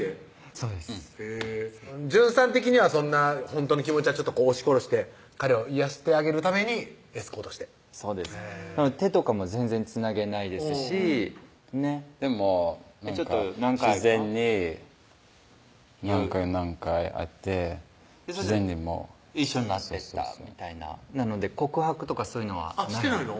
そうです純さん的にはそんなほんとの気持ちは押し殺して彼を癒やしてあげるためにエスコートしてそうです手とかも全然つなげないですしねっでも自然に何回何回会ってそしたら一緒になってったみたいななので告白とかそういうのはしてないの？